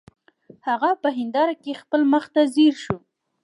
هغه په هنداره کې خپل مخ ته ځیر شو